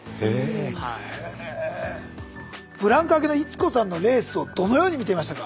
ブランク明けの逸子さんのレースをどのように見ていましたか？